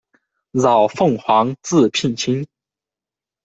饶凤璜，字聘卿。